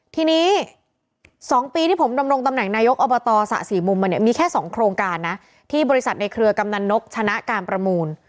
ทีนี้๒ปีที่ผมดำรงตำแหน่งนายกอบตสะสี่มุมมาเนี่ยมีแค่๒โครงการนะที่บริษัทในเครือกำนันนกชนะการประมูล